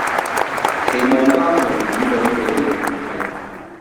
期望加強與兩地的聯繫